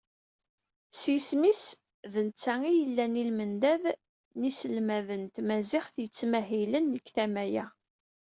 S yisem-is d netta i yellan i lmendad n yiselmaden n tmaziɣt yettmahilen deg tama-a.